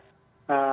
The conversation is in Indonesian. dan memberikan akibat